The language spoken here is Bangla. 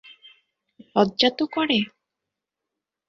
লজ্জা তো করে।